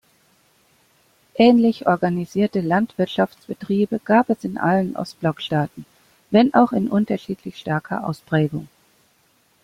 Ähnlich organisierte Landwirtschaftsbetriebe gab es in allen Ostblock-Staaten, wenn auch in unterschiedlich starker Ausprägung.